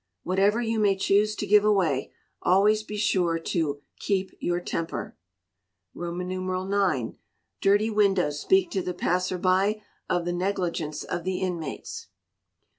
Whatever you may choose to give away, always be sure to keep your temper. ix. Dirty windows speak to the passer by of the negligence of the inmates.